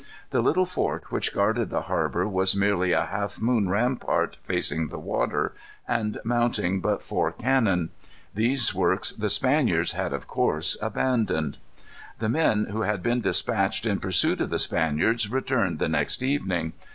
The little fort which guarded the harbor was merely a half moon rampart facing the water, and mounting but four cannon. These works the Spaniards had of course abandoned. The men who had been dispatched in pursuit of the Spaniards returned the next evening.